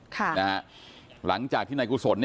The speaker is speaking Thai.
ค่ะนะฮะหลังจากที่นายกุศล